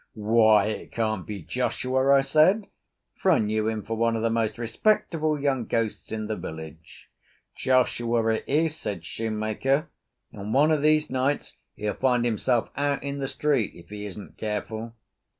"Why, it can't be Joshua!" I said, for I knew him for one of the most respectable young ghosts in the village. "Joshua it is," said shoemaker; "and one of these nights he'll find himself out in the street if he isn't careful."